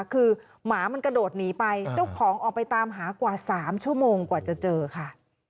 คือหมามันกระโดดหนีไปเจ้าของออกไปตามหากว่า๓ชั่วโมงกว่าจะเจอค่ะ